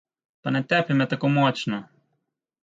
Pa ne tepi me tako močno!